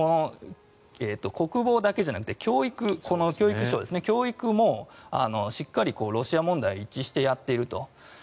国防だけじゃなくて教育教育もしっかりロシア問題に一致してやっていると。